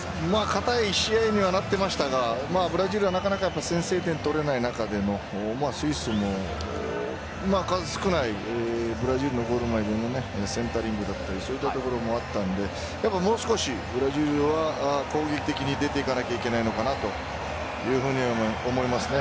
固い試合にはなってましたがブラジルはなかなか先制点取れない中でスイスも数少ないブラジルのゴール前にセンタリングだったりそういったボールもあったんでもう少しブラジルは攻撃的に出ていかなければいけないのかなというふうに思いましたね。